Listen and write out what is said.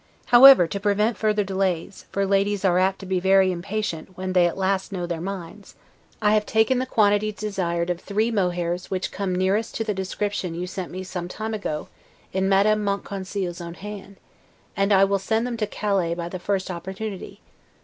However, to prevent further delays (for ladies are apt to be very impatient, when at last they know their own minds), I have taken the quantities desired of three mohairs which come nearest to the description you sent me some time ago, in Madame Monconseil's own hand; and I will send them to Calais by the first opportunity.